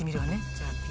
じゃあＢ